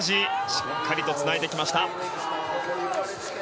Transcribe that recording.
しっかりとつないできました。